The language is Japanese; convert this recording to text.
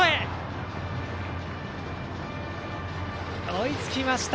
追いつきました。